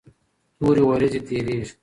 تورې ورېځې تیریږي.